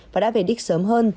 và đã về đích sớm hơn